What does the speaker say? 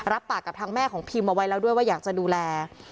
ปากกับทางแม่ของพิมพ์เอาไว้แล้วด้วยว่าอยากจะดูแล